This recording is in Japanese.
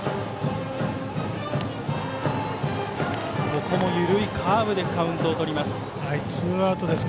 ここも緩いカーブでカウントをとります。